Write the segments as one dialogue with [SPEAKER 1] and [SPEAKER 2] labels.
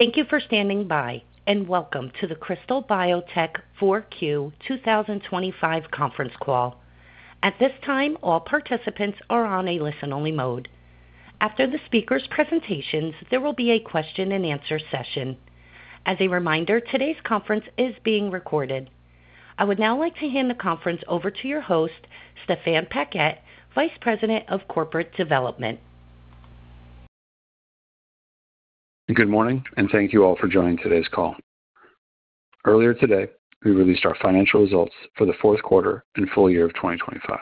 [SPEAKER 1] Thank you for standing by, and welcome to the Krystal Biotech Q4 2025 conference call. At this time, all participants are on a listen-only mode. After the speakers' presentations, there will be a question-and-answer session. As a reminder, today's conference is being recorded. I would now like to hand the conference over to your host, Stéphane Paquette, Vice President of Corporate Development.
[SPEAKER 2] Good morning, and thank you all for joining today's call. Earlier today, we released our financial results for the Q4 and full year of 2025.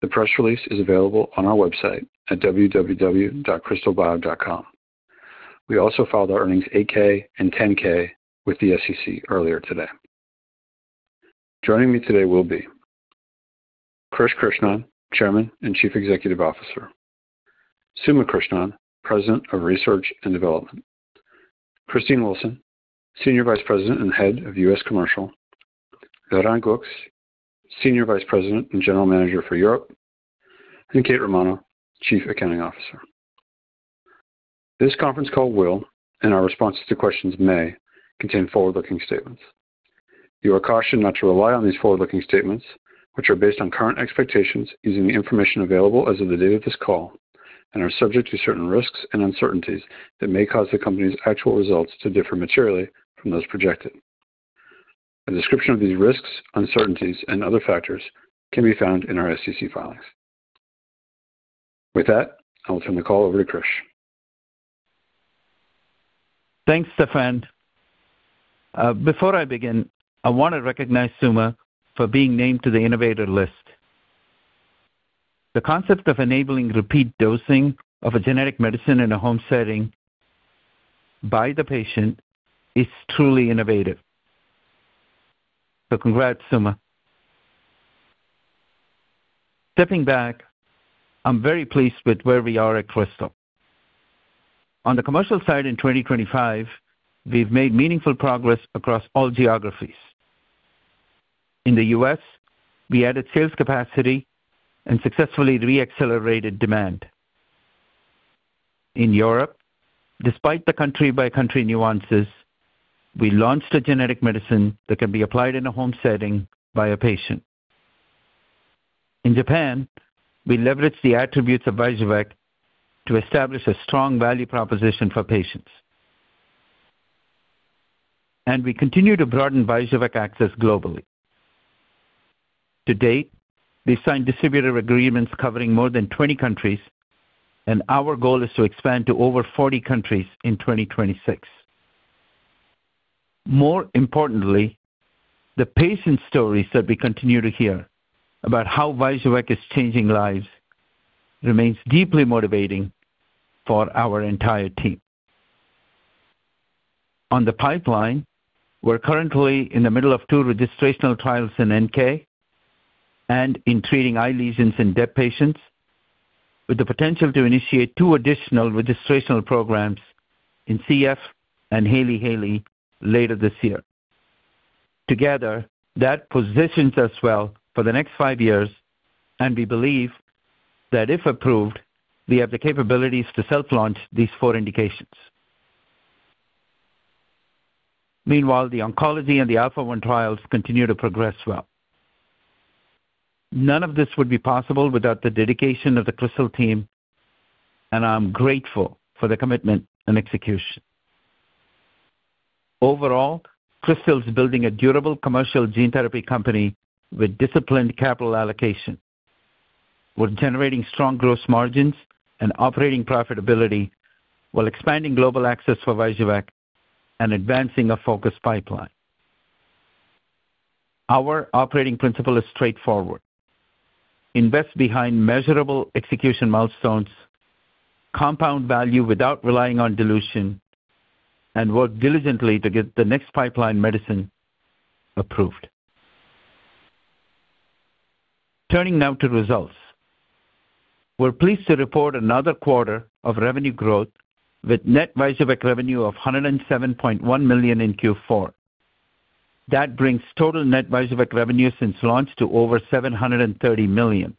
[SPEAKER 2] The press release is available on our website at www.krystalbio.com. We also filed our earnings, 8-K and 10-K with the SEC earlier today. Joining me today will be Krish Krishnan, Chairman and Chief Executive Officer, Suma Krishnan, President of Research and Development, Christine Wilson, Senior Vice President and Head of U.S. Commercial, Laurent Goux, Senior Vice President and General Manager for Europe, and Kate Romano, Chief Accounting Officer. This conference call will, and our responses to questions may, contain forward-looking statements. You are cautioned not to rely on these forward-looking statements, which are based on current expectations using the information available as of the date of this call and are subject to certain risks and uncertainties that may cause the company's actual results to differ materially from those projected. A description of these risks, uncertainties, and other factors can be found in our SEC filings. With that, I'll turn the call over to Krish.
[SPEAKER 3] Thanks, Stéphane. Before I begin, I want to recognize Suma for being named to the innovator list. The concept of enabling repeat dosing of a genetic medicine in a home setting by the patient is truly innovative. So congrats, Suma. Stepping back, I'm very pleased with where we are at Krystal. On the commercial side in 2025, we've made meaningful progress across all geographies. In the U.S., we added sales capacity and successfully re-accelerated demand. In Europe, despite the country-by-country nuances, we launched a genetic medicine that can be applied in a home setting by a patient. In Japan, we leveraged the attributes of VYJUVEK to establish a strong value proposition for patients. We continue to broaden VYJUVEK access globally. To date, we've signed distributor agreements covering more than 20 countries, and our goal is to expand to over 40 countries in 2026. More importantly, the patient stories that we continue to hear about how VYJUVEK is changing lives remains deeply motivating for our entire team. On the pipeline, we're currently in the middle of two registrational trials in NK and in treating eye lesions in DEB patients, with the potential to initiate two additional registrational programs in CF and Hailey-Hailey later this year. Together, that positions us well for the next five years, and we believe that if approved, we have the capabilities to self-launch these four indications. Meanwhile, the oncology and the Alpha-1 trials continue to progress well. None of this would be possible without the dedication of the Krystal team, and I'm grateful for their commitment and execution. Overall, Krystal is building a durable commercial gene therapy company with disciplined capital allocation. We're generating strong gross margins and operating profitability while expanding global access for VYJUVEK and advancing a focused pipeline. Our operating principle is straightforward: invest behind measurable execution milestones, compound value without relying on dilution, and work diligently to get the next pipeline medicine approved. Turning now to results. We're pleased to report another quarter of revenue growth with net VYJUVEK revenue of $107.1 million in Q4. That brings total net VYJUVEK revenue since launch to over $730 million.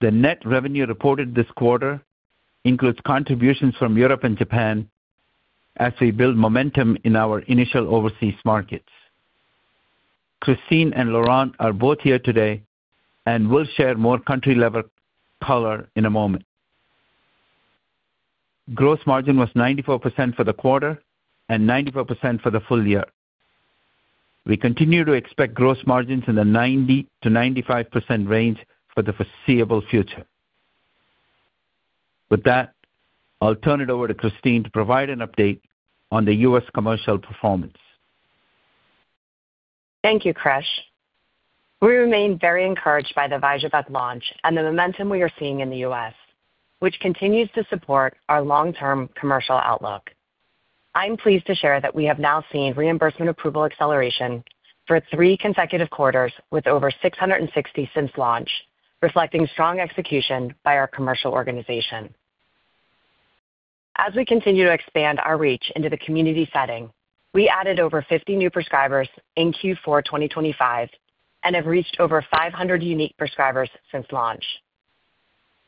[SPEAKER 3] The net revenue reported this quarter includes contributions from Europe and Japan as we build momentum in our initial overseas markets. Christine and Laurent are both here today and will share more country-level color in a moment. Gross margin was 94% for the quarter and 94% for the full year. We continue to expect gross margins in the 90%-95% range for the foreseeable future. With that, I'll turn it over to Christine to provide an update on the U.S. commercial performance.
[SPEAKER 4] Thank you, Krish. We remain very encouraged by the VYJUVEK launch and the momentum we are seeing in the U.S., which continues to support our long-term commercial outlook. I'm pleased to share that we have now seen reimbursement approval acceleration for three consecutive quarters, with over 660 since launch, reflecting strong execution by our commercial organization. As we continue to expand our reach into the community setting, we added over 50 new prescribers in Q4 2025 and have reached over 500 unique prescribers since launch.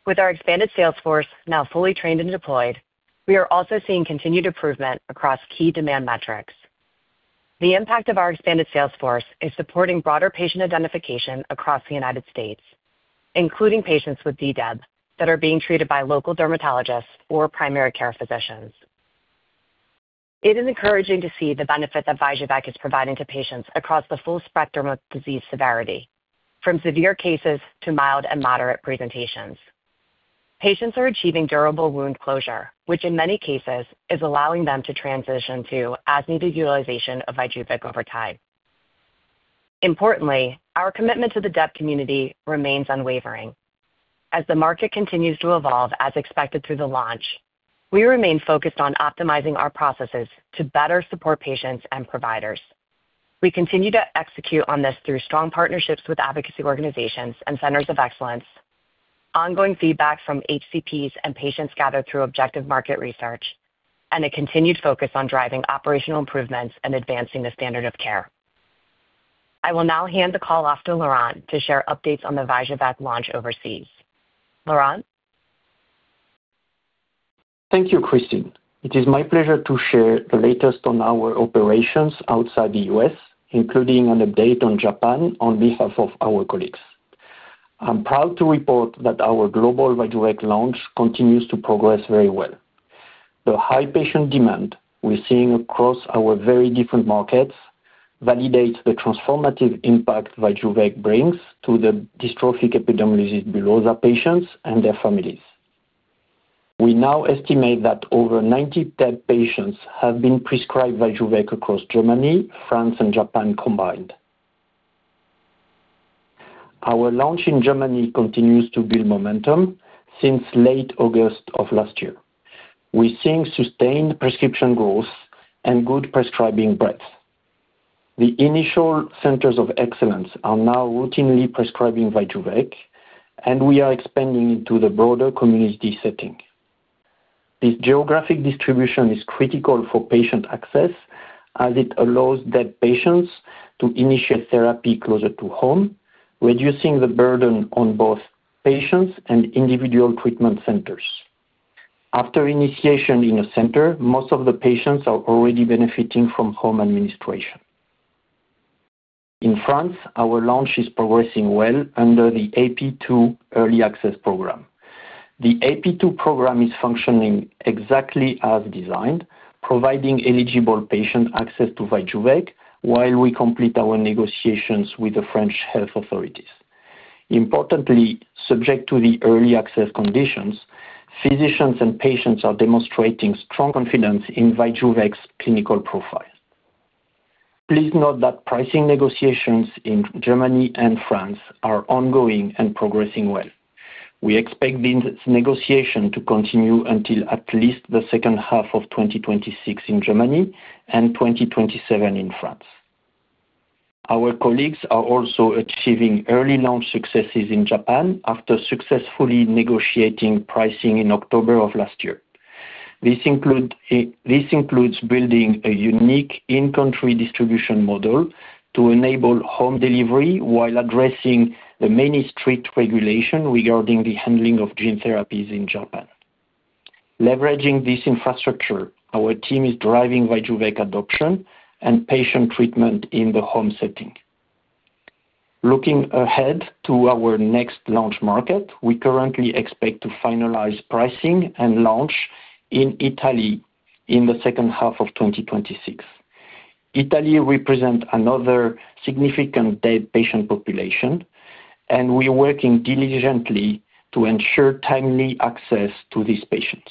[SPEAKER 4] With our expanded sales force now fully trained and deployed, we are also seeing continued improvement across key demand metrics. The impact of our expanded sales force is supporting broader patient identification across the United States, including patients with DDEB that are being treated by local dermatologists or primary care physicians. It is encouraging to see the benefit that VYJUVEK is providing to patients across the full spectrum of disease severity, from severe cases to mild and moderate presentations. Patients are achieving durable wound closure, which in many cases is allowing them to transition to as-needed utilization of VYJUVEK over time. Importantly, our commitment to the DEB community remains unwavering. As the market continues to evolve as expected through the launch, we remain focused on optimizing our processes to better support patients and providers. We continue to execute on this through strong partnerships with advocacy organizations and centers of excellence, ongoing feedback from HCPs and patients gathered through objective market research, and a continued focus on driving operational improvements and advancing the standard of care. I will now hand the call off to Laurent to share updates on the VYJUVEK launch overseas. Laurent?
[SPEAKER 5] Thank you, Christine. It is my pleasure to share the latest on our operations outside the US, including an update on Japan on behalf of our colleagues. I'm proud to report that our global VYJUVEK launch continues to progress very well. The high patient demand we're seeing across our very different markets validates the transformative impact VYJUVEK brings to the dystrophic epidermolysis bullosa patients and their families. We now estimate that over 90 DEB patients have been prescribed VYJUVEK across Germany, France, and Japan combined. Our launch in Germany continues to build momentum since late August of last year. We're seeing sustained prescription growth and good prescribing breadth. The initial centers of excellence are now routinely prescribing VYJUVEK, and we are expanding into the broader community setting. This geographic distribution is critical for patient access, as it allows DEB patients to initiate therapy closer to home, reducing the burden on both patients and individual treatment centers. After initiation in a center, most of the patients are already benefiting from home administration. In France, our launch is progressing well under the AP2 early access program. The AP2 program is functioning exactly as designed, providing eligible patient access to VYJUVEK while we complete our negotiations with the French health authorities. Importantly, subject to the early access conditions, physicians and patients are demonstrating strong confidence in VYJUVEK's clinical profile. Please note that pricing negotiations in Germany and France are ongoing and progressing well. We expect these negotiations to continue until at least the second half of 2026 in Germany and 2027 in France. Our colleagues are also achieving early launch successes in Japan after successfully negotiating pricing in October of last year. This includes building a unique in-country distribution model to enable home delivery while addressing the many strict regulation regarding the handling of gene therapies in Japan. Leveraging this infrastructure, our team is driving VYJUVEK adoption and patient treatment in the home setting. Looking ahead to our next launch market, we currently expect to finalize pricing and launch in Italy in the second half of 2026. Italy represents another significant DEB patient population, and we are working diligently to ensure timely access to these patients.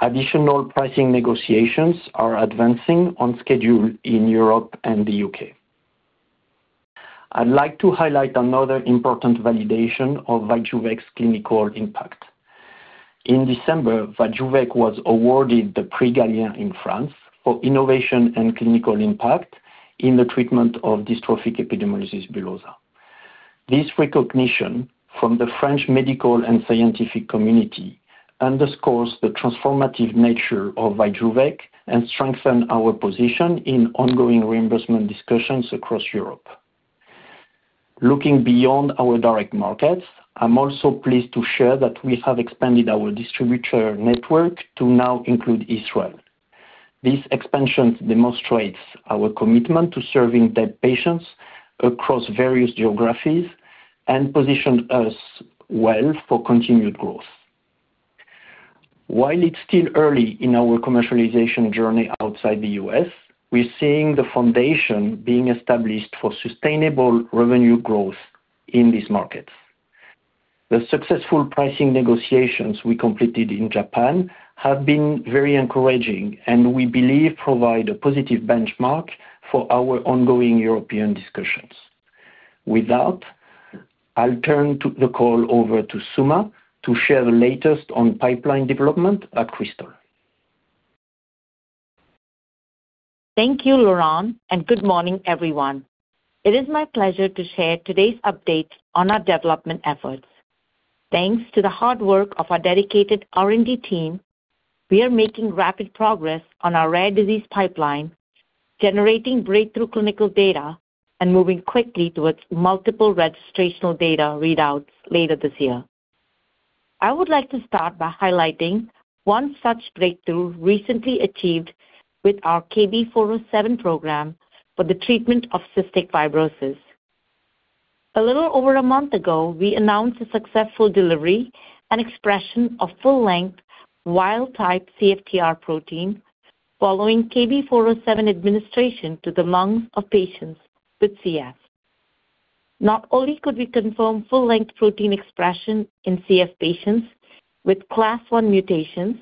[SPEAKER 5] Additional pricing negotiations are advancing on schedule in Europe and the UK. I'd like to highlight another important validation of VYJUVEK's clinical impact. In December, VYJUVEK was awarded the Prix Galien in France for innovation and clinical impact in the treatment of dystrophic epidermolysis bullosa. This recognition from the French medical and scientific community underscores the transformative nature of VYJUVEK and strengthen our position in ongoing reimbursement discussions across Europe. Looking beyond our direct markets, I'm also pleased to share that we have expanded our distributor network to now include Israel. This expansion demonstrates our commitment to serving DEB patients across various geographies and positions us well for continued growth. While it's still early in our commercialization journey outside the U.S., we're seeing the foundation being established for sustainable revenue growth in these markets. The successful pricing negotiations we completed in Japan have been very encouraging and we believe provide a positive benchmark for our ongoing European discussions. With that, I'll turn the call over to Suma to share the latest on pipeline development at Krystal.
[SPEAKER 6] Thank you, Laurent, and good morning, everyone. It is my pleasure to share today's update on our development efforts.... Thanks to the hard work of our dedicated R&D team, we are making rapid progress on our rare disease pipeline, generating breakthrough clinical data and moving quickly towards multiple registrational data readouts later this year. I would like to start by highlighting one such breakthrough recently achieved with our KB407 program for the treatment of cystic fibrosis. A little over a month ago, we announced a successful delivery and expression of full-length wild-type CFTR protein following KB407 administration to the lungs of patients with CF. Not only could we confirm full-length protein expression in CF patients with Class 1 mutations,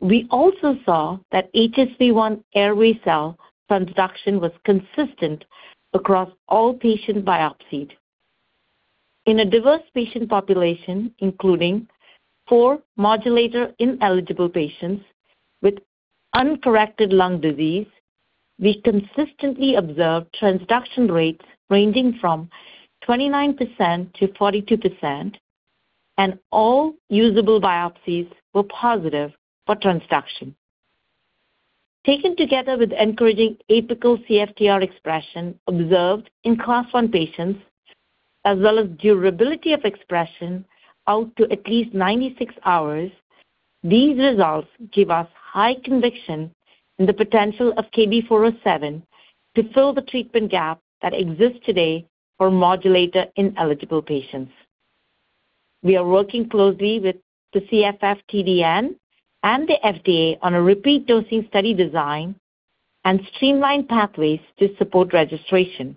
[SPEAKER 6] we also saw that HSV-1 airway cell transduction was consistent across all patients biopsied. In a diverse patient population, including four modulator-ineligible patients with uncorrected lung disease, we consistently observed transduction rates ranging from 29% to 42%, and all usable biopsies were positive for transduction. Taken together with encouraging apical CFTR expression observed in Class 1 patients, as well as durability of expression out to at least 96 hours, these results give us high conviction in the potential of KB407 to fill the treatment gap that exists today for modulator-ineligible patients. We are working closely with the CFF TDN and the FDA on a repeat dosing study design and streamlined pathways to support registration.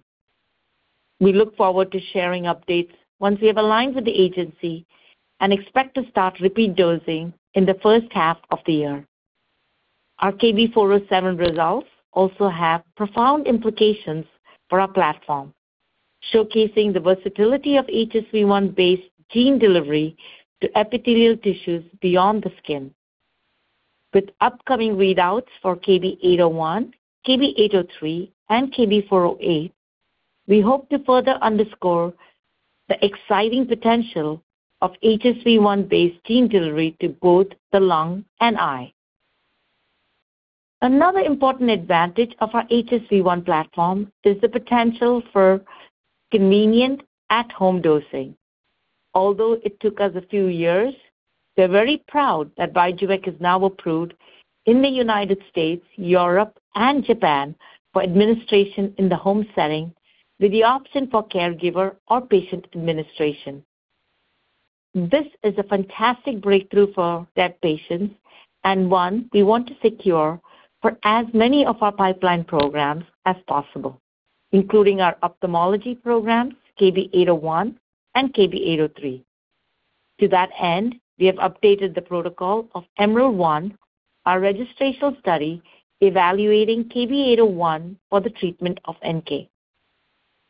[SPEAKER 6] We look forward to sharing updates once we have aligned with the agency and expect to start repeat dosing in the first half of the year. Our KB407 results also have profound implications for our platform, showcasing the versatility of HSV-1-based gene delivery to epithelial tissues beyond the skin. With upcoming readouts for KB801, KB803, and KB408, we hope to further underscore the exciting potential of HSV-1-based gene delivery to both the lung and eye. Another important advantage of our HSV-1 platform is the potential for convenient at-home dosing. Although it took us a few years, we're very proud that VYJUVEK is now approved in the United States, Europe, and Japan for administration in the home setting, with the option for caregiver or patient administration. This is a fantastic breakthrough for their patients and one we want to secure for as many of our pipeline programs as possible, including our ophthalmology programs, KB801 and KB803. To that end, we have updated the protocol of EMERALD-1, our registrational study evaluating KB801 for the treatment of NK.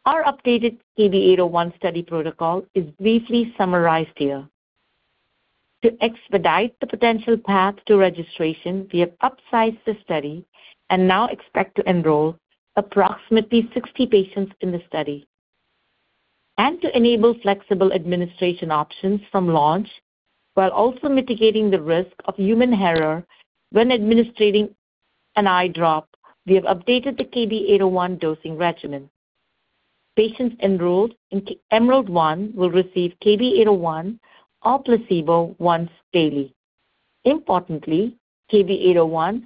[SPEAKER 6] Our updated KB801 study protocol is briefly summarized here. To expedite the potential path to registration, we have upsized the study and now expect to enroll approximately 60 patients in the study. To enable flexible administration options from launch, while also mitigating the risk of human error when administering an eye drop, we have updated the KB801 dosing regimen. Patients enrolled in EMERALD-1 will receive KB801 or placebo once daily. Importantly, KB801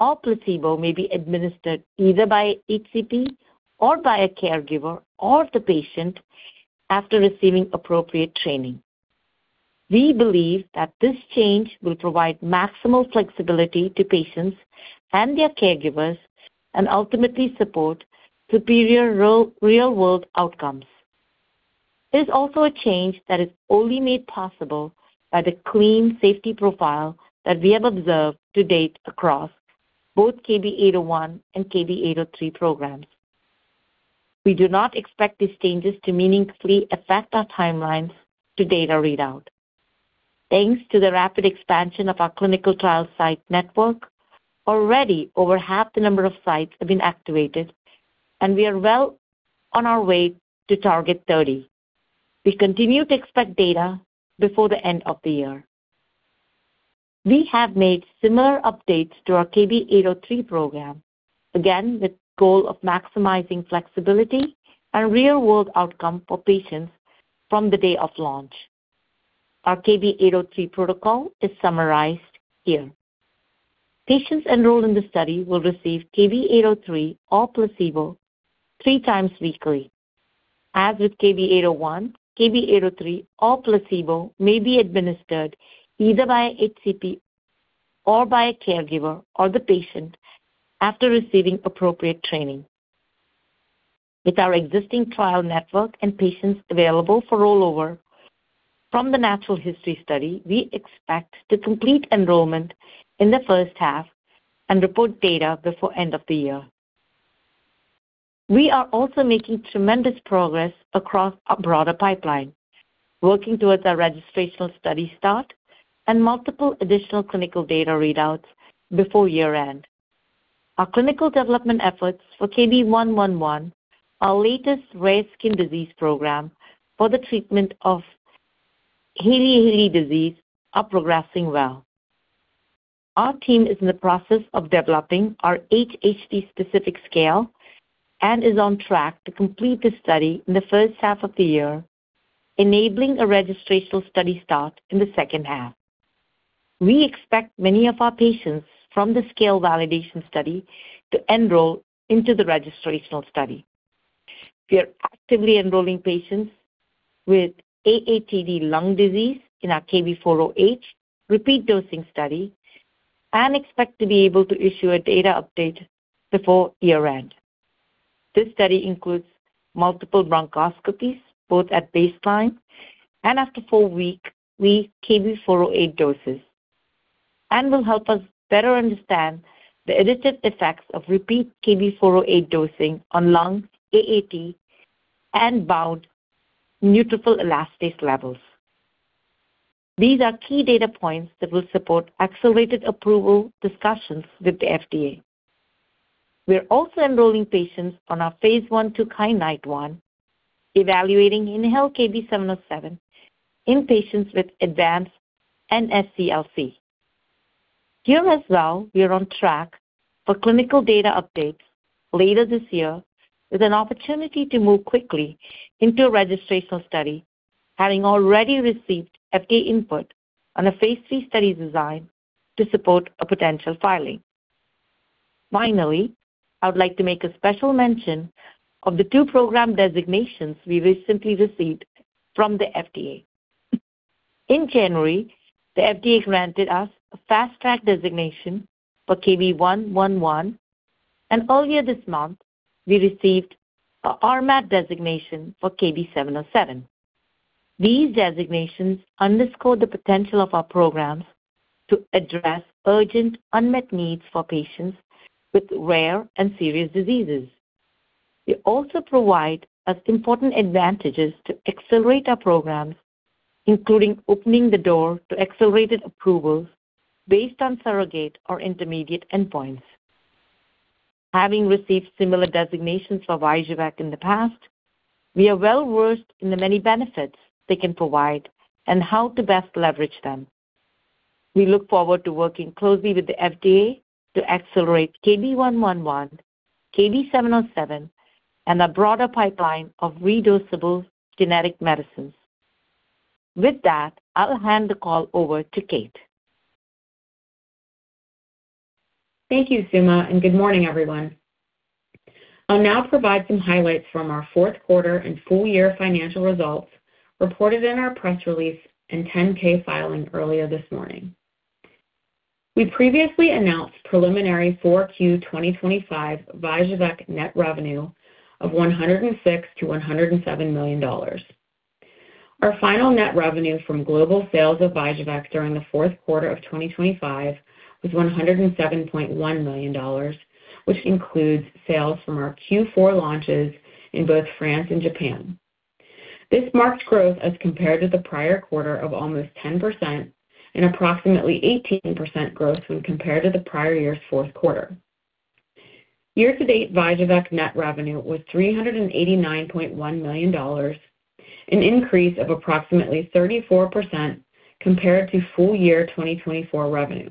[SPEAKER 6] or placebo may be administered either by HCP, or by a caregiver, or the patient after receiving appropriate training. We believe that this change will provide maximal flexibility to patients and their caregivers and ultimately support superior real, real-world outcomes. This is also a change that is only made possible by the clean safety profile that we have observed to date across both KB801 and KB803 programs. We do not expect these changes to meaningfully affect our timelines to data readout. Thanks to the rapid expansion of our clinical trial site network, already over half the number of sites have been activated, and we are well on our way to target 30. We continue to expect data before the end of the year. We have made similar updates to our KB803 program, again, with the goal of maximizing flexibility and real-world outcome for patients from the day of launch. Our KB803 protocol is summarized here. Patients enrolled in the study will receive KB803 or placebo 3 times weekly. As with KB801, KB803 or placebo may be administered either by HCP or by a caregiver or the patient after receiving appropriate training. With our existing trial network and patients available for rollover from the natural history study, we expect to complete enrollment in the first half and report data before end of the year. We are also making tremendous progress across our broader pipeline, working towards our registrational study start and multiple additional clinical data readouts before year-end.... Our clinical development efforts for KB111, our latest rare skin disease program for the treatment of Hailey-Hailey disease, are progressing well. Our team is in the process of developing our HHD-specific scale and is on track to complete the study in the first half of the year, enabling a registrational study start in the second half. We expect many of our patients from the scale validation study to enroll into the registrational study. We are actively enrolling patients with AATD lung disease in our KB408 repeat dosing study and expect to be able to issue a data update before year-end. This study includes multiple bronchoscopies, both at baseline and after four-week KB408 doses, and will help us better understand the additive effects of repeat KB408 dosing on lung AAT and bound neutrophil elastase levels. These are key data points that will support accelerated approval discussions with the FDA. We are also enrolling patients on our phase I KYANITE-1, evaluating inhaled KB707 in patients with advanced NSCLC. Here as well, we are on track for clinical data updates later this year, with an opportunity to move quickly into a registrational study, having already received FDA input on a phase III study design to support a potential filing. Finally, I would like to make a special mention of the two program designations we recently received from the FDA. In January, the FDA granted us a Fast Track designation for KB111, and earlier this month, we received a RMAT designation for KB707. These designations underscore the potential of our programs to address urgent, unmet needs for patients with rare and serious diseases. They also provide us important advantages to accelerate our programs, including opening the door to accelerated approvals based on surrogate or intermediate endpoints. Having received similar designations for VYJUVEK in the past, we are well-versed in the many benefits they can provide and how to best leverage them. We look forward to working closely with the FDA to accelerate KB111, KB707, and a broader pipeline of redosable genetic medicines. With that, I'll hand the call over to Kate.
[SPEAKER 7] Thank you, Suma, and good morning, everyone. I'll now provide some highlights from our Q4 and full-year financial results reported in our press release and 10-K filing earlier this morning. We previously announced preliminary Q4 2025 VYJUVEK net revenue of $106 million-$107 million. Our final net revenue from global sales of VYJUVEK during the Q4 of 2025 was $107.1 million, which includes sales from our Q4 launches in both France and Japan. This marked growth as compared to the prior quarter of almost 10% and approximately 18% growth when compared to the prior year's Q4. Year-to-date, VYJUVEK net revenue was $389.1 million, an increase of approximately 34% compared to full year 2024 revenue.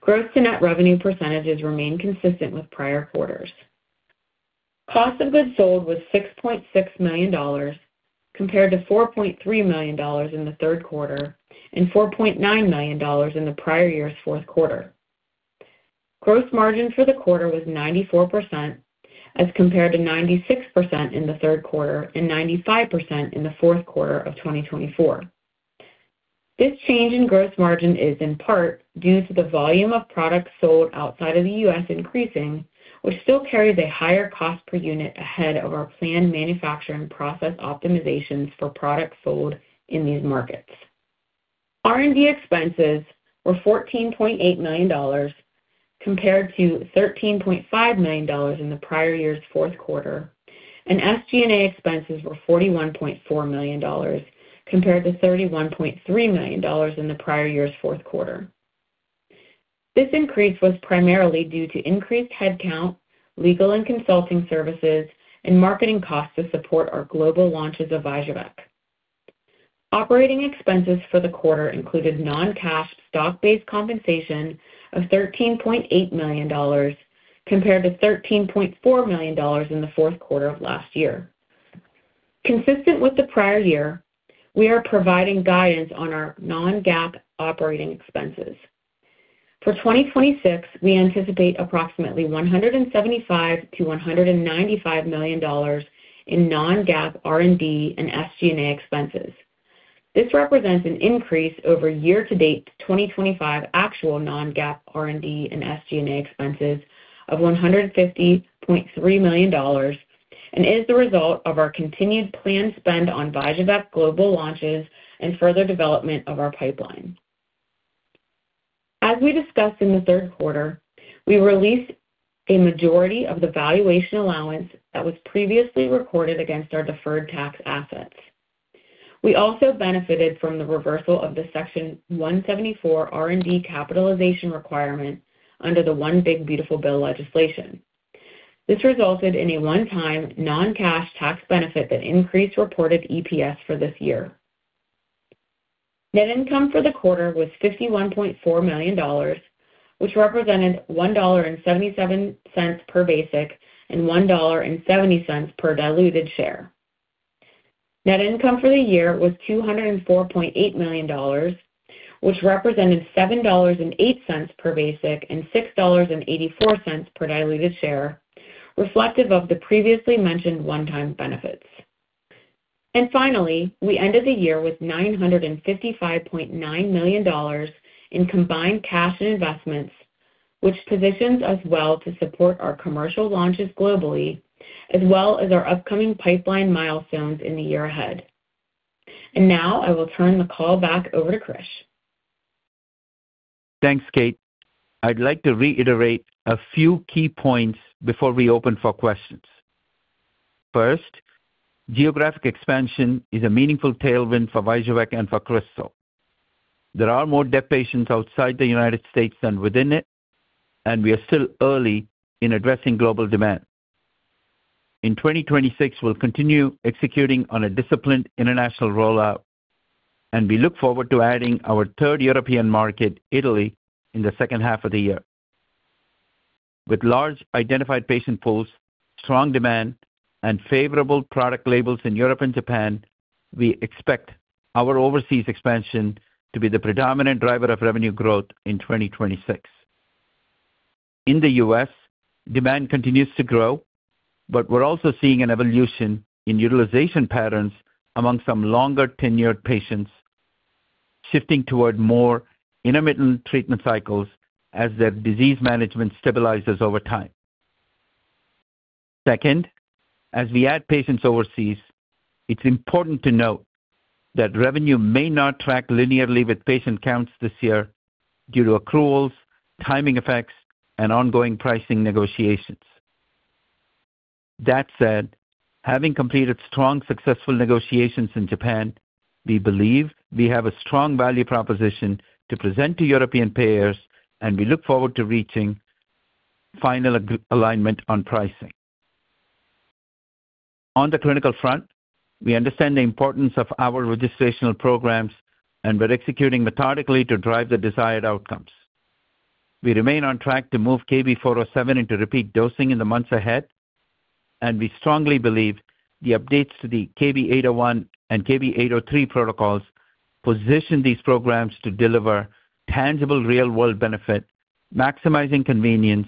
[SPEAKER 7] Growth to net revenue percentages remain consistent with prior quarters. Cost of goods sold was $6.6 million, compared to $4.3 million in the Q3 and $4.9 million in the prior year's Q4. Gross margin for the quarter was 94%, as compared to 96% in the Q3 and 95% in the Q4 of 2024. This change in gross margin is in part due to the volume of products sold outside of the U.S. increasing, which still carries a higher cost per unit ahead of our planned manufacturing process optimizations for products sold in these markets. R&D expenses were $14.8 million, compared to $13.5 million in the prior year's Q4, and SG&A expenses were $41.4 million, compared to $31.3 million in the prior year's Q4. This increase was primarily due to increased headcount, legal and consulting services, and marketing costs to support our global launches of VYJUVEK. Operating expenses for the quarter included non-cash stock-based compensation of $13.8 million, compared to $13.4 million in the Q4 of last year. Consistent with the prior year, we are providing guidance on our non-GAAP operating expenses. For 2026, we anticipate approximately $175-$195 million in non-GAAP R&D and SG&A expenses. This represents an increase over year-to-date 2025 actual non-GAAP R&D and SG&A expenses of $150.3 million and is the result of our continued planned spend on VYJUVEK global launches and further development of our pipeline. As we discussed in the Q3, we released a majority of the valuation allowance that was previously recorded against our deferred tax assets. We also benefited from the reversal of the Section 174 R&D capitalization requirement under the One Big Beautiful Bill legislation. This resulted in a one-time, non-cash tax benefit that increased reported EPS for this year. Net income for the quarter was $51.4 million, which represented $1.77 per basic and $1.70 per diluted share. Net income for the year was $204.8 million, which represented $7.08 per basic and $6.84 per diluted share, reflective of the previously mentioned one-time benefits. Finally, we ended the year with $955.9 million in combined cash and investments, which positions us well to support our commercial launches globally, as well as our upcoming pipeline milestones in the year ahead. Now I will turn the call back over to Krish.
[SPEAKER 3] Thanks, Kate. I'd like to reiterate a few key points before we open for questions. First, geographic expansion is a meaningful tailwind for Vyjuvek and for Krystal. There are more DEB patients outside the United States than within it, and we are still early in addressing global demand. In 2026, we'll continue executing on a disciplined international rollout, and we look forward to adding our third European market, Italy, in the second half of the year. With large identified patient pools, strong demand, and favorable product labels in Europe and Japan, we expect our overseas expansion to be the predominant driver of revenue growth in 2026. In the US, demand continues to grow, but we're also seeing an evolution in utilization patterns among some longer-tenured patients, shifting toward more intermittent treatment cycles as their disease management stabilizes over time. Second, as we add patients overseas, it's important to note that revenue may not track linearly with patient counts this year due to accruals, timing effects, and ongoing pricing negotiations. That said, having completed strong, successful negotiations in Japan, we believe we have a strong value proposition to present to European payers, and we look forward to reaching final alignment on pricing. On the clinical front, we understand the importance of our registrational programs, and we're executing methodically to drive the desired outcomes. We remain on track to move KB407 into repeat dosing in the months ahead, and we strongly believe the updates to the KB801 and KB803 protocols position these programs to deliver tangible, real-world benefit, maximizing convenience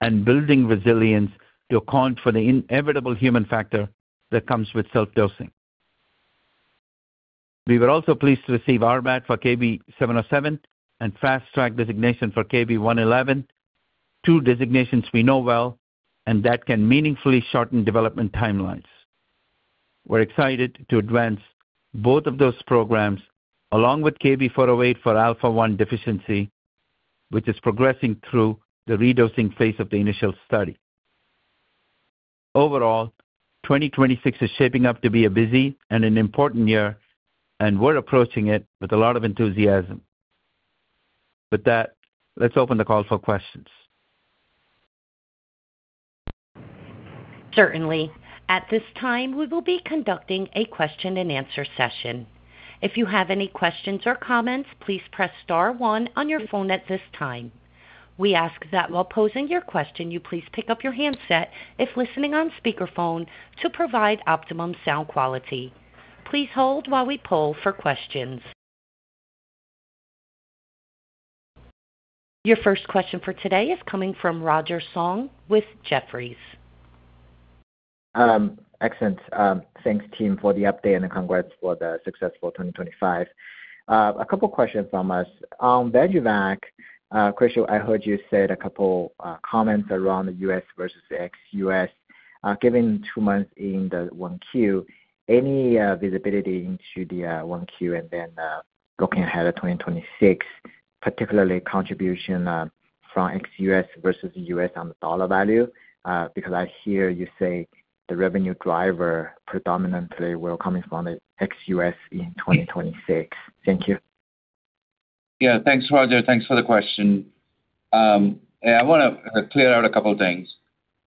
[SPEAKER 3] and building resilience to account for the inevitable human factor that comes with self-dosing. We were also pleased to receive RMAT for KB707 and Fast Track designation for KB111, two designations we know well and that can meaningfully shorten development timelines. We're excited to advance both of those programs, along with KB408 for Alpha-1 deficiency, which is progressing through the redosing phase of the initial study. Overall, 2026 is shaping up to be a busy and an important year, and we're approaching it with a lot of enthusiasm. With that, let's open the call for questions.
[SPEAKER 1] Certainly. At this time, we will be conducting a question-and-answer session. If you have any questions or comments, please press star one on your phone at this time. We ask that while posing your question, you please pick up your handset if listening on speakerphone, to provide optimum sound quality. Please hold while we poll for questions. Your first question for today is coming from Roger Song with Jefferies.
[SPEAKER 8] Excellent. Thanks, team, for the update and congrats for the successful 2025. A couple questions from us. On Vyjuvek, Krish, I heard you said a couple comments around the U.S. versus ex-U.S. Given two months in the 1Q, any visibility into the 1Q and then, looking ahead at 2026, particularly contribution from ex-U.S. versus U.S. on the dollar value? Because I hear you say the revenue driver predominantly will coming from the ex-U.S. in 2026. Thank you.
[SPEAKER 3] Yeah, thanks, Roger. Thanks for the question. I want to clear out a couple of things.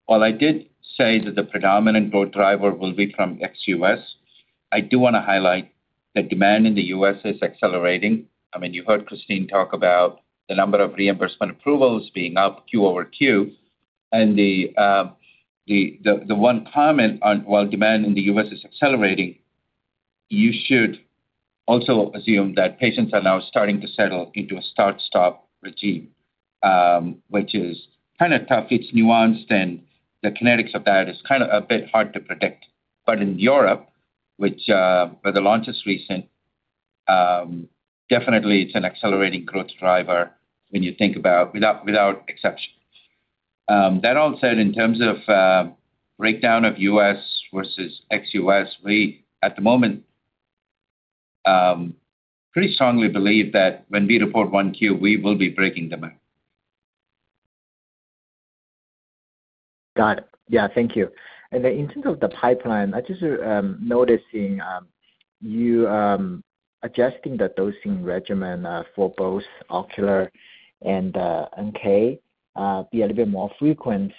[SPEAKER 3] While I did say that the predominant growth driver will be from ex-U.S., I do want to highlight that demand in the U.S. is accelerating. I mean, you heard Christine talk about the number of reimbursement approvals being up Q over Q. And the one comment on, while demand in the U.S. is accelerating, you should also assume that patients are now starting to settle into a start-stop regime, which is kind of tough. It's nuanced, and the kinetics of that is kind of a bit hard to predict. But in Europe, which where the launch is recent, definitely it's an accelerating growth driver when you think about without exception. That all said, in terms of breakdown of U.S. versus ex-U.S., we, at the moment, pretty strongly believe that when we report Q1, we will be breaking them out....
[SPEAKER 8] Got it. Yeah, thank you. And then in terms of the pipeline, I just noticing you adjusting the dosing regimen for both ocular and NK be a little bit more frequent.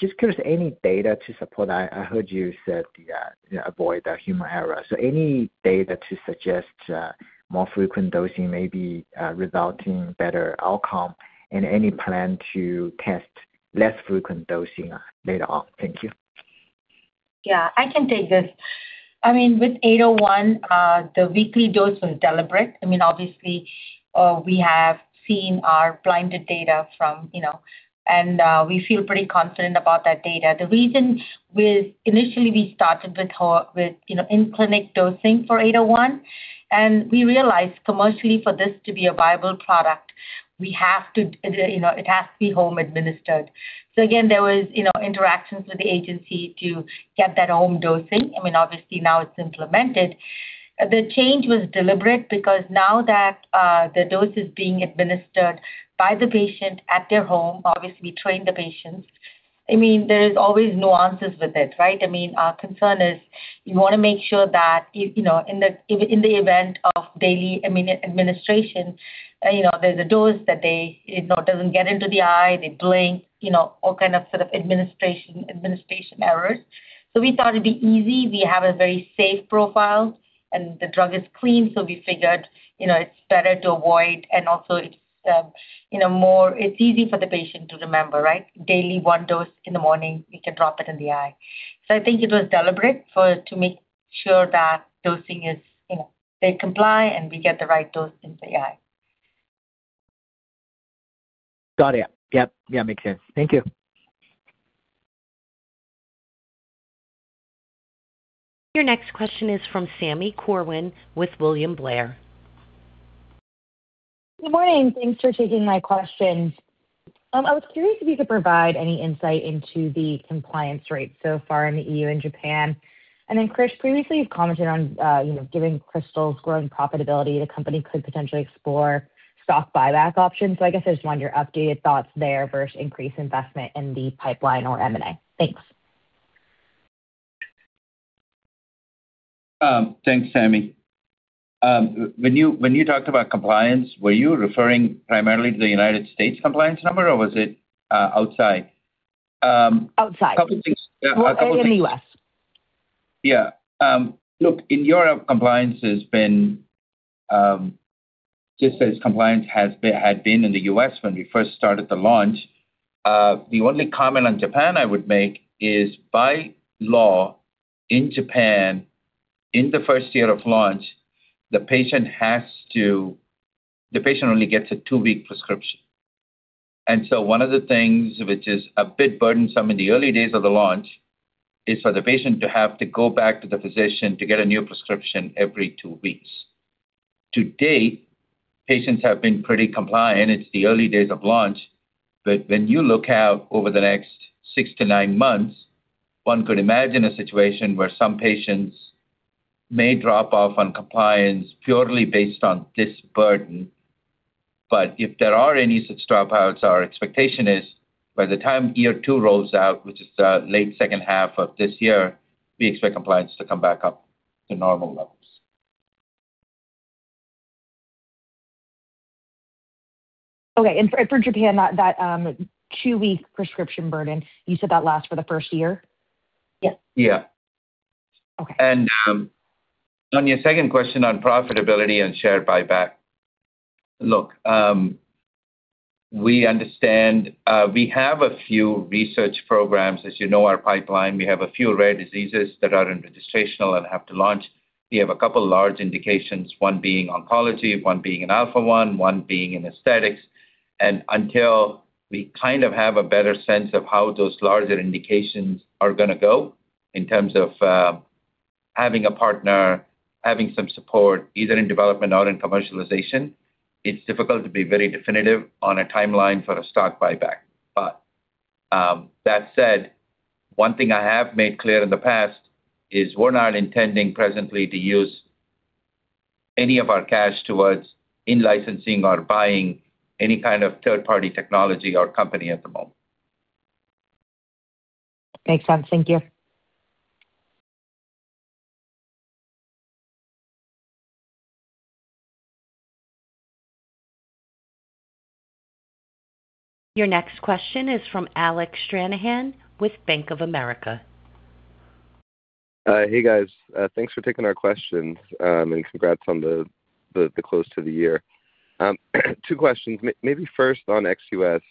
[SPEAKER 8] Just curious, any data to support that? I heard you said, yeah, avoid the human error. So any data to suggest more frequent dosing may be resulting in better outcome, and any plan to test less frequent dosing later on? Thank you.
[SPEAKER 6] Yeah, I can take this. I mean, with 801, the weekly dose was deliberate. I mean, obviously, we have seen our blinded data from, you know, and we feel pretty confident about that data. The reason we initially we started with with, you know, in-clinic dosing for 801, and we realized commercially for this to be a viable product, we have to, you know, it has to be home administered. So again, there was, you know, interactions with the agency to get that home dosing. I mean, obviously now it's implemented. The change was deliberate because now that the dose is being administered by the patient at their home, obviously we train the patients. I mean, there's always nuances with it, right? I mean, our concern is you wanna make sure that if, you know, in the, if in the event of daily administration, you know, there's a dose that they, it, you know, doesn't get into the eye, they blink, you know, all kind of sort of administration errors. So we thought it'd be easy. We have a very safe profile, and the drug is clean, so we figured, you know, it's better to avoid. And also it's, you know, more... It's easy for the patient to remember, right? Daily, one dose in the morning, you can drop it in the eye. So I think it was deliberate for to make sure that dosing is, you know, they comply, and we get the right dose into the eye.
[SPEAKER 8] Got it. Yep. Yeah, makes sense. Thank you.
[SPEAKER 1] Your next question is from Sami Corwin with William Blair.
[SPEAKER 9] Good morning. Thanks for taking my questions. I was curious if you could provide any insight into the compliance rate so far in the EU and Japan. And then, Krish, previously, you've commented on, you know, given Krystal's growing profitability, the company could potentially explore stock buyback options. So I guess I just wonder your updated thoughts there versus increased investment in the pipeline or M&A. Thanks.
[SPEAKER 3] Thanks, Sammy. When you talked about compliance, were you referring primarily to the United States compliance number, or was it outside?
[SPEAKER 9] Outside.
[SPEAKER 3] Yeah, outside-
[SPEAKER 9] Or in the U.S.
[SPEAKER 3] Yeah. Look, in Europe, compliance has been just as compliance has been, had been in the U.S. when we first started the launch. The only comment on Japan I would make is, by law, in Japan, in the first year of launch, the patient has to... The patient only gets a two-week prescription. And so one of the things which is a bit burdensome in the early days of the launch is for the patient to have to go back to the physician to get a new prescription every two weeks. To date, patients have been pretty compliant. It's the early days of launch, but when you look out over the next six to nine months, one could imagine a situation where some patients may drop off on compliance purely based on this burden. If there are any such dropouts, our expectation is by the time year two rolls out, which is, late second half of this year, we expect compliance to come back up to normal levels.
[SPEAKER 9] Okay. And for Japan, that two-week prescription burden, you said that lasts for the first year?
[SPEAKER 3] Yeah. Yeah.
[SPEAKER 9] Okay.
[SPEAKER 3] On your second question on profitability and share buyback. Look, we understand we have a few research programs. As you know, our pipeline, we have a few rare diseases that are in registrational and have to launch. We have a couple large indications, one being oncology, one being in Alpha-1, one being in aesthetics. And until we kind of have a better sense of how those larger indications are gonna go in terms of having a partner, having some support, either in development or in commercialization, it's difficult to be very definitive on a timeline for a stock buyback. But that said, one thing I have made clear in the past is we're not intending presently to use any of our cash towards in-licensing or buying any kind of third-party technology or company at the moment.
[SPEAKER 9] Makes sense. Thank you.
[SPEAKER 1] Your next question is from Alec Stranahan with Bank of America.
[SPEAKER 10] Hey, guys. Thanks for taking our questions, and congrats on the close to the year. Two questions. Maybe first on XUS.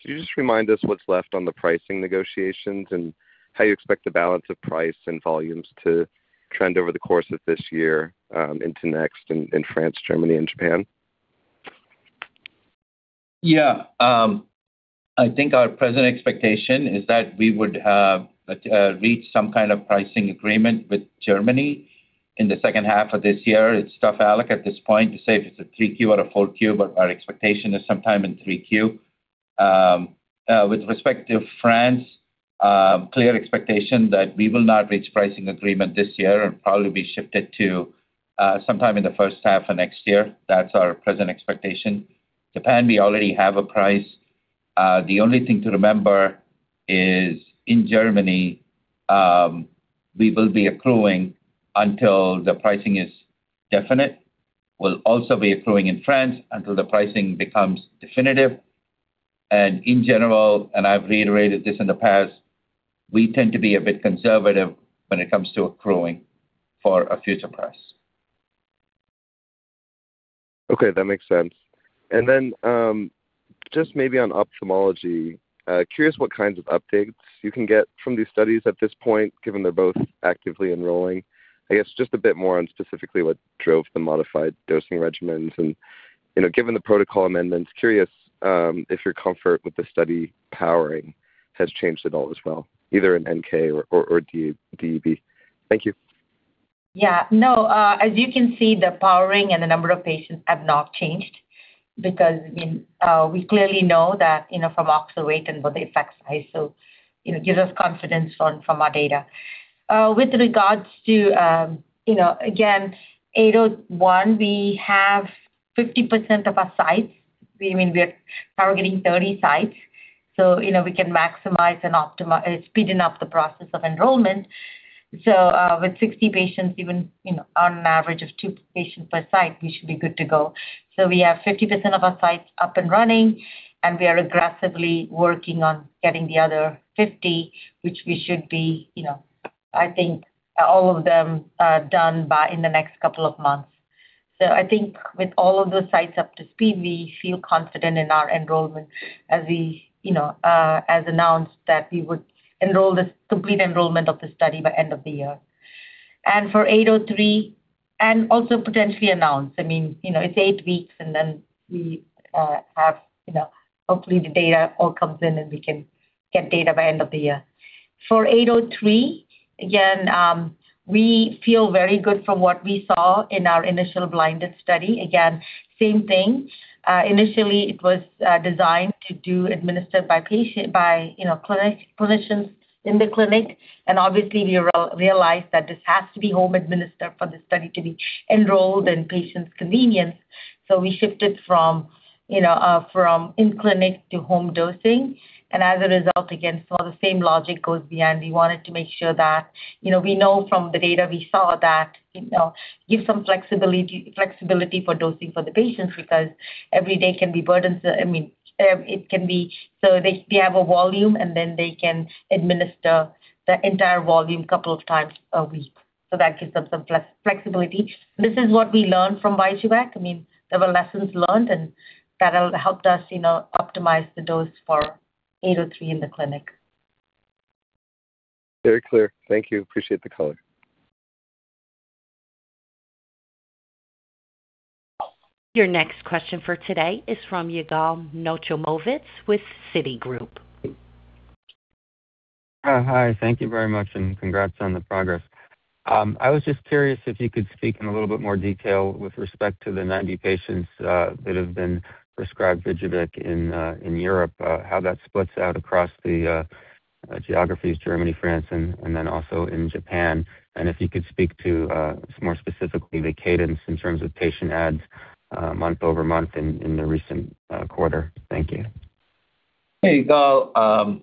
[SPEAKER 10] Could you just remind us what's left on the pricing negotiations and how you expect the balance of price and volumes to trend over the course of this year, into next in France, Germany, and Japan?
[SPEAKER 3] Yeah. I think our present expectation is that we would reach some kind of pricing agreement with Germany in the second half of this year. It's tough, Alex, at this point to say if it's a 3Q or a 4Q, but our expectation is sometime in 3Q. With respect to France, clear expectation that we will not reach pricing agreement this year and probably be shifted to sometime in the first half of next year. That's our present expectation. Japan, we already have a price. The only thing to remember is, in Germany, we will be accruing until the pricing is definite. We'll also be accruing in France until the pricing becomes definitive. In general, and I've reiterated this in the past, we tend to be a bit conservative when it comes to accruing for a future price.
[SPEAKER 10] Okay, that makes sense. And then, just maybe on ophthalmology, curious what kinds of updates you can get from these studies at this point, given they're both actively enrolling. I guess just a bit more on specifically what drove the modified dosing regimens. And, you know, given the protocol amendments, curious, if your comfort with the study powering has changed at all as well, either in NK or DEB. Thank you.
[SPEAKER 6] Yeah. No, as you can see, the powering and the number of patients have not changed because, I mean, we clearly know that, you know, from Oxervate and what the effects are. So, you know, it gives us confidence from our data. With regards to, you know, again, 801, we have 50% of our sites. We mean, we are targeting 30 sites, so, you know, we can maximize and optimize... speeding up the process of enrollment. So, with 60 patients, even, you know, on an average of 2 patients per site, we should be good to go. So we have 50% of our sites up and running, and we are aggressively working on getting the other 50, which we should be, you know, I think all of them, done by in the next couple of months. So I think with all of the sites up to speed, we feel confident in our enrollment as we, you know, as announced that we would enroll the complete enrollment of the study by end of the year. And for 803, and also potentially announce, I mean, you know, it's 8 weeks, and then we have, you know, hopefully the data all comes in, and we can get data by end of the year. For 803, again, we feel very good from what we saw in our initial blinded study. Again, same thing. Initially, it was designed to do administered by patient, by, you know, clinic, physicians in the clinic, and obviously, we realized that this has to be home administered for the study to be enrolled and patients' convenience. So we shifted from, you know, from in-clinic to home dosing. And as a result, again, so the same logic goes beyond. We wanted to make sure that, you know, we know from the data we saw that, you know, give some flexibility for dosing for the patients, because every day can be burdensome. I mean, it can be so they have a volume, and then they can administer the entire volume couple of times a week. So that gives them some flexibility. This is what we learned from VYJUVEK. I mean, there were lessons learned, and that'll helped us, you know, optimize the dose for 803 in the clinic.
[SPEAKER 10] Very clear. Thank you. Appreciate the color.
[SPEAKER 1] Your next question for today is from Yigal Nochomovitz with Citigroup.
[SPEAKER 11] Hi, thank you very much, and congrats on the progress. I was just curious if you could speak in a little bit more detail with respect to the 90 patients that have been prescribed VYJUVEK in Europe, how that splits out across the geographies, Germany, France, and then also in Japan. And if you could speak to, more specifically, the cadence in terms of patient adds month-over-month in the recent quarter. Thank you.
[SPEAKER 3] Hey, Yigal,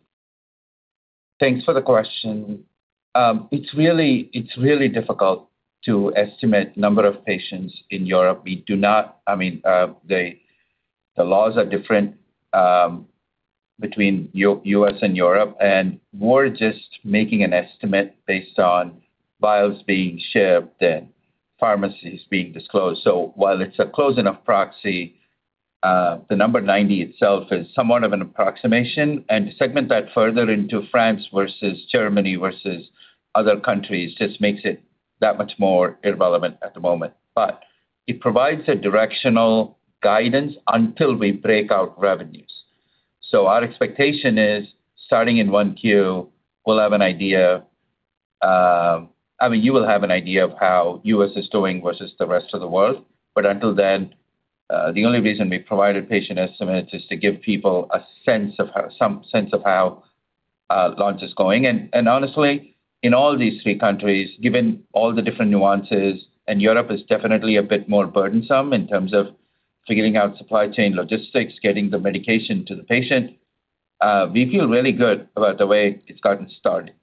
[SPEAKER 3] thanks for the question. It's really, it's really difficult to estimate number of patients in Europe. We do not... I mean, the, the laws are different, between U.S. and Europe, and we're just making an estimate based on bios being shipped and pharmacies being disclosed. So while it's a close enough proxy, the number 90 itself is somewhat of an approximation, and to segment that further into France versus Germany versus other countries just makes it that much more irrelevant at the moment. But it provides a directional guidance until we break out revenues. So our expectation is, starting in 1Q, we'll have an idea, I mean, you will have an idea of how U.S. is doing versus the rest of the world. But until then, the only reason we provided patient estimates is to give people some sense of how launch is going. And honestly, in all these three countries, given all the different nuances, and Europe is definitely a bit more burdensome in terms of figuring out supply chain logistics, getting the medication to the patient, we feel really good about the way it's gotten started.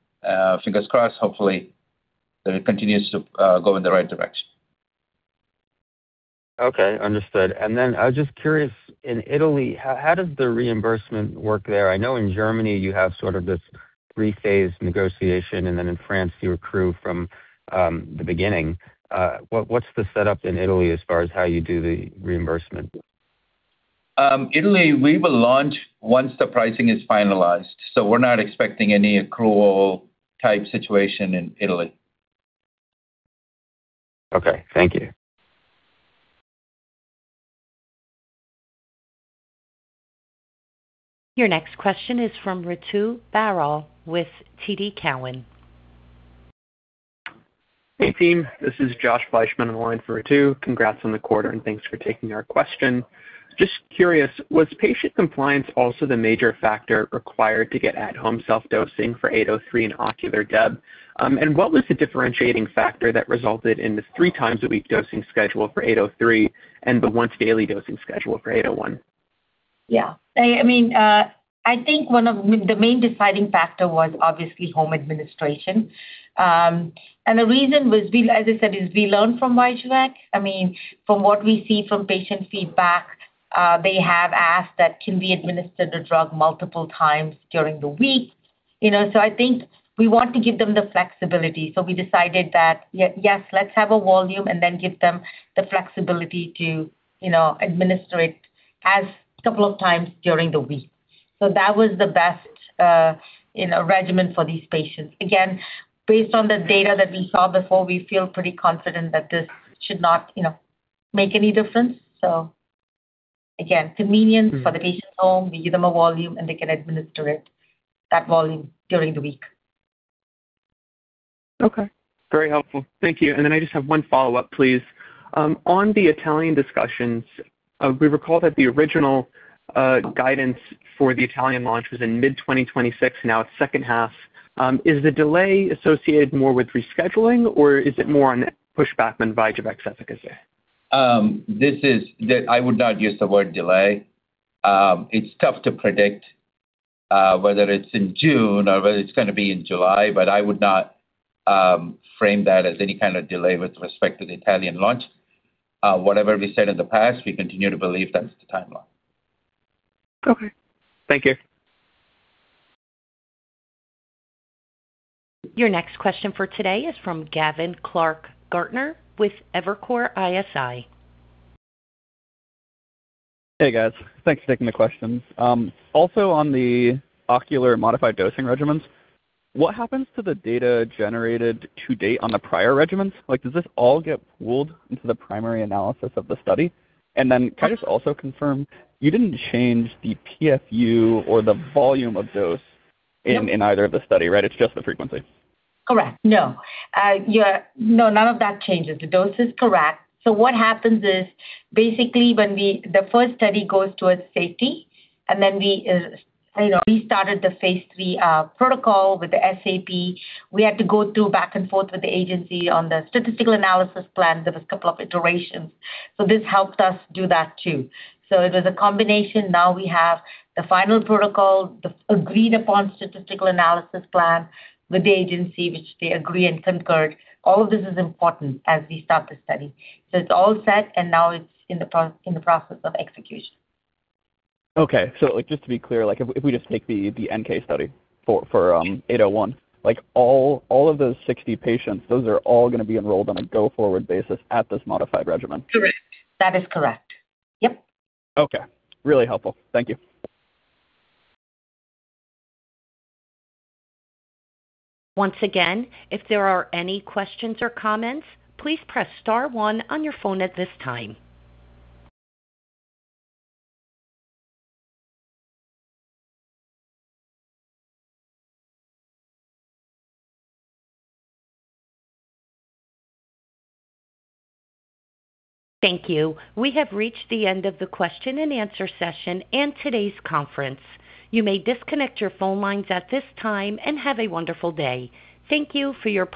[SPEAKER 3] Fingers crossed, hopefully, that it continues to go in the right direction.
[SPEAKER 11] Okay, understood. And then I was just curious, in Italy, how does the reimbursement work there? I know in Germany you have sort of this three-phase negotiation, and then in France, you accrue from the beginning. What's the setup in Italy as far as how you do the reimbursement?
[SPEAKER 3] Italy, we will launch once the pricing is finalized, so we're not expecting any accrual type situation in Italy.
[SPEAKER 11] Okay, thank you.
[SPEAKER 1] Your next question is from Ritu Baral with TD Cowen.
[SPEAKER 12] Hey, team. This is Josh Fleishman on the line for Ritu. Congrats on the quarter, and thanks for taking our question. Just curious, was patient compliance also the major factor required to get at-home self-dosing for 803 and ocular DEB? And what was the differentiating factor that resulted in the three times a week dosing schedule for 803 and the once daily dosing schedule for 801?...
[SPEAKER 6] Yeah, I mean, I think one of the main deciding factor was obviously home administration. And the reason was, we, as I said, is we learned from VYJUVEK. I mean, from what we see from patient feedback, they have asked that can we administer the drug multiple times during the week, you know? So I think we want to give them the flexibility. So we decided that, yes, let's have a volume and then give them the flexibility to, you know, administer it as a couple of times during the week. So that was the best, you know, regimen for these patients. Again, based on the data that we saw before, we feel pretty confident that this should not, you know, make any difference. So again, convenience for the patient's home. We give them a volume, and they can administer it, that volume during the week.
[SPEAKER 12] Okay. Very helpful. Thank you. And then I just have one follow-up, please. On the Italian discussions, we recall that the original guidance for the Italian launch was in mid-2026, now it's second half. Is the delay associated more with rescheduling, or is it more on pushback than VYJUVEK efficacy?
[SPEAKER 3] I would not use the word delay. It's tough to predict whether it's in June or whether it's gonna be in July, but I would not frame that as any kind of delay with respect to the Italian launch. Whatever we said in the past, we continue to believe that's the timeline.
[SPEAKER 12] Okay. Thank you.
[SPEAKER 1] Your next question for today is from Gavin Clark-Gartner with Evercore ISI.
[SPEAKER 13] Hey, guys. Thanks for taking the questions. Also on the ocular modified dosing regimens, what happens to the data generated to date on the prior regimens? Like, does this all get pooled into the primary analysis of the study? And then can I just also confirm, you didn't change the PFU or the volume of dose in either of the study, right? It's just the frequency.
[SPEAKER 6] Correct. No. Yeah. No, none of that changes. The dose is correct. So what happens is, basically when we... The first study goes towards safety, and then we, you know, we started the phase III protocol with the SAP. We had to go through back and forth with the agency on the statistical analysis plan. There was a couple of iterations, so this helped us do that too. So it was a combination. Now we have the final protocol, the agreed-upon statistical analysis plan with the agency, which they agree and concurred. All of this is important as we start the study. So it's all set, and now it's in the process of execution.
[SPEAKER 13] Okay. So, like, just to be clear, like, if we just take the NK study for 801, like, all of those 60 patients, those are all gonna be enrolled on a go-forward basis at this modified regimen?
[SPEAKER 6] Correct. That is correct. Yep.
[SPEAKER 13] Okay. Really helpful. Thank you.
[SPEAKER 1] Once again, if there are any questions or comments, please press star one on your phone at this time. Thank you. We have reached the end of the question and answer session and today's conference. You may disconnect your phone lines at this time and have a wonderful day. Thank you for your participation.